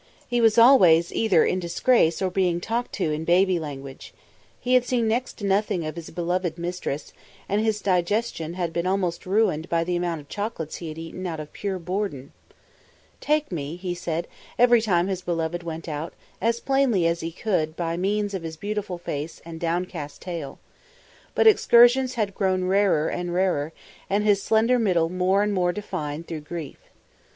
He was always either in disgrace or being talked to in baby language. He had seen next to nothing of his beloved mistress, and his digestion had been almost ruined by the amount of chocolates he had eaten out of pure boredom. "Take me," he said, every time his beloved went out, as plainly as could be by means of his beautiful face and down cast tail. But excursions had grown rarer and rarer and his slender middle more and more defined through grief.